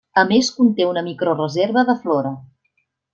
A més conté una microreserva de flora.